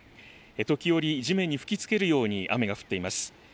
時折、地面に吹きつけるように雨が降っています。